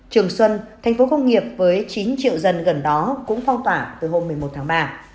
trường xuân thành phố công nghiệp với chín triệu dân gần đó cũng phong tỏa từ hôm một mươi một tháng ba